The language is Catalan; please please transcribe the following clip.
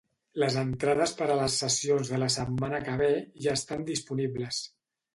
Les entrades per a les sessions de la setmana que ve ja estan disponibles.